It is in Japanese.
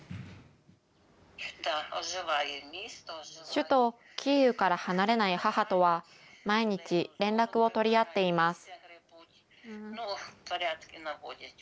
首都キーウから離れない母とは、毎日、連絡を取り合っています。